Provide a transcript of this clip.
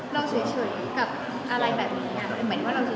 เราเฉยกับอะไรแบบนี้